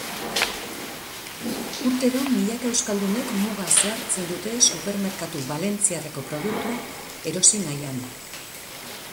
Urtero milaka euskaldunek muga zeharkatzen dute supermerkatu balentziarreko produktuak erosi nahian.